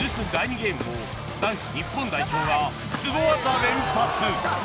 ゲームも男子日本代表がスゴ技連発